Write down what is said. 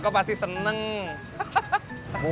lebih keren lagi